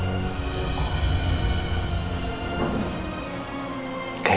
berasa hidup kembali